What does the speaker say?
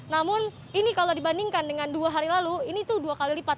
namun ini kalau dibandingkan dengan dua hari lalu ini itu dua kali lipat